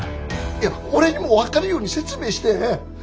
いや俺にも分かるように説明して。